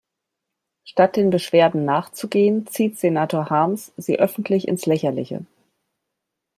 Statt den Beschwerden nachzugehen, zieht Senator Harms sie öffentlich ins Lächerliche.